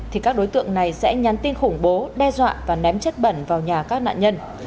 thì các đối tượng này sẽ nhắn tin khủng bố đe dọa và ném chất bẩn vào nhà các nạn nhân